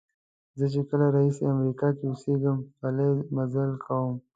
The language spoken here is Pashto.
زه چې کله راهیسې امریکا کې اوسېږم پلی مزل کوم.